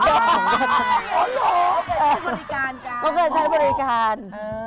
ต้อเกิดใช้รายการ